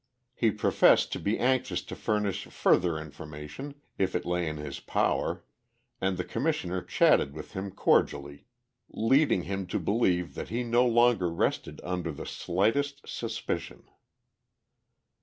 He professed to be anxious to furnish further information, if it lay in his power, and the Commissioner chatted with him cordially, leading him to believe that he no longer rested under the slightest suspicion.